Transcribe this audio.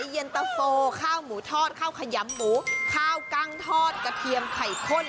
เย็นตะโฟข้าวหมูทอดข้าวขยำหมูข้าวกั้งทอดกระเทียมไข่ข้น